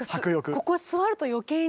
ここ座ると余計に。